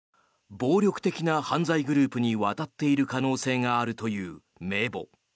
暴力的な犯罪グループに渡っている可能性があるという名簿。